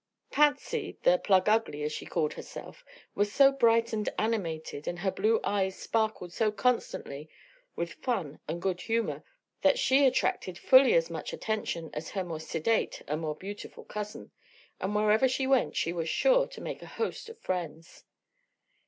Patsy, the "plug ugly," as she called herself, was so bright and animated and her blue eyes sparkled so constantly with fun and good humor, that she attracted fully as much attention as her more sedate and more beautiful cousin, and wherever she went was sure to make a host of friends.